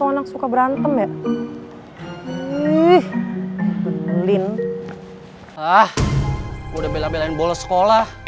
gue udah bela belain bolos sekolah